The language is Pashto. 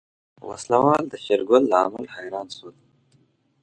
وسله وال د شېرګل له عمل حيران شول.